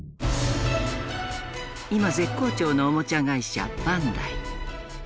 今絶好調のおもちゃ会社バンダイ。